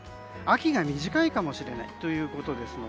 秋が短いかもしれないということです。